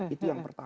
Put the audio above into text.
itu yang pertama